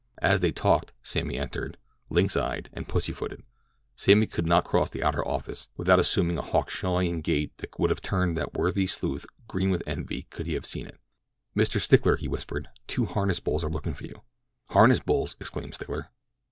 As he talked, Sammy entered, lynx eyed and pussy footed—Sammy could not cross the outer office, even to the water cooler, without assuming a Hawkshawian gait that would have turned that worthy sleuth green with envy could he have seen it. "Mr. Stickler!" he whispered, "two harness bulls are looking for you." "Harness bulls!" exclaimed Stickler.